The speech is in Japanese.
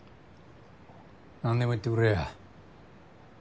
なんでも言ってくれや。